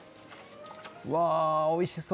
うわー、おいしそう。